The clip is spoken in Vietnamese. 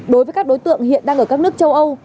đối với các đối tượng hiện đang ở các nước châu âu